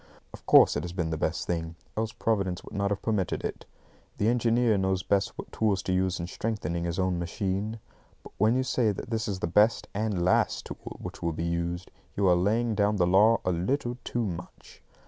Of course, it has been the best thing, else Providence would not have permitted it. The engineer knows best what tools to use in strengthening his own machine. But when you say that this is the best and last tool which will be used, you are laying down the law a little too much.